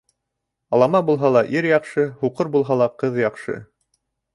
Алама булһа ла ир яҡшы, һуҡыр булһа ла ҡыҙ яҡшы.